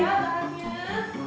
ya pak arjen